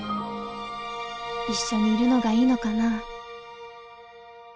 一緒にいるのがいいのかな。